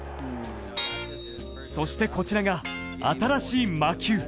そしてこちらが新しい魔球。